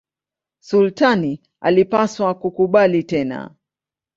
Sultani alipaswa kukubali tena.